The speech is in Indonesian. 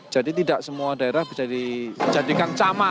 jadi tidak semua daerah bisa dijadikan kompleks